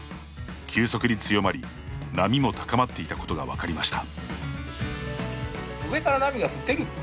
急速に強まり、波も高まっていたことが分かりました。